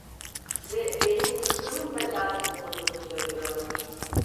Ve benim sırtımın da cazip olduğunu söylüyorlar…